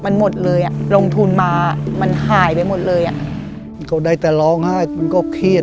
เขาได้แต่ร้องไห้มันก็เครียด